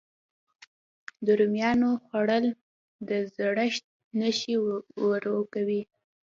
د رومیانو خووړل د زړښت نښې ورو کوي.